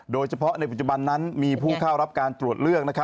โดยเฉพาะในปัจจุบันนั้นมีผู้เข้ารับการตรวจเลือก